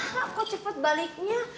kenapa kok cepet baliknya